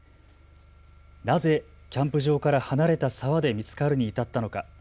なぜキャンプ場から離れた沢で見つかるに至ったのか。